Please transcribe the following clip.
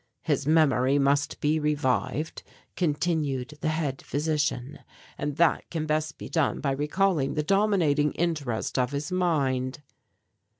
"His memory must be revived," continued the head physician, "and that can best be done by recalling the dominating interest of his mind."